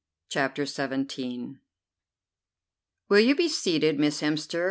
CHAPTER XVII "Will you be seated, Miss Hemster?"